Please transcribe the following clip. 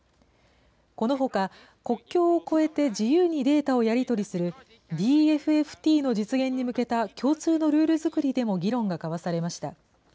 このほか、国境を越えて、自由にデータをやり取りするＤＦＦＴの実現に向けた共通のルール作りでも議論が交わされました。